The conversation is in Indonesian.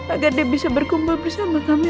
agar dia bisa berkumpul bersama kami